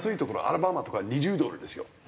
アラバマとか２０ドルですよ。